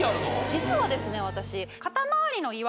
実はですね